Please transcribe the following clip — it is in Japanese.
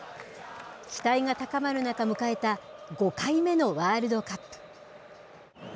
期待が高まる中迎えた、５回目のワールドカップ。